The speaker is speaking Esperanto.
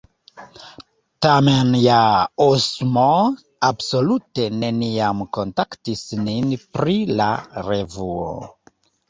Tamen ja Osmo absolute neniam kontaktis nin pri la revuo.